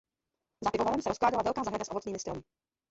Za pivovarem se rozkládala velká zahrada s ovocnými stromy.